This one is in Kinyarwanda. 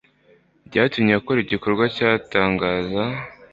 byatumye akora igikorwa cy'agatangaza.